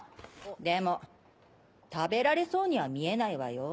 でも食べられそうには見えないわよ。